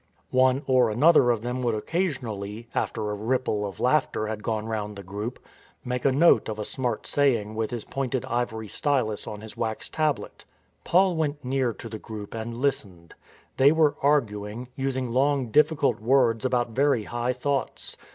One or another of them would occasionally, after a ripple of laughter had gone round the group, make a note of a smart saying with his pointed ivory stylus on his wax tablet. Paul went near to the group and listened. They were arguing, using long difficult words about very high thoughts.